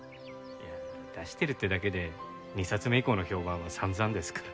出してるってだけで２冊目以降の評判は散々ですから。